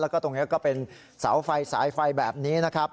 แล้วก็ตรงนี้ก็เป็นเสาไฟสายไฟแบบนี้นะครับ